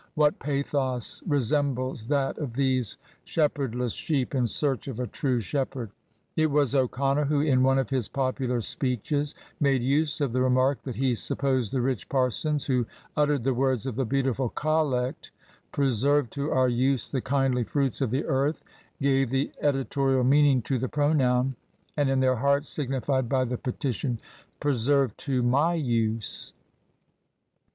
What pathos resembles that of these shepherdless sheep in search of a true shepherd? It was O'Connor who, in one of his popular speeches, made use of the remark that he supposed the rich parsons who uttered the words of the beautiful collect, ' Preserve to our use the kindly fruits of the earth,' gave the editorial meaning to the pronoun and in their hearts signified by the petition, ' Preserve to my use.'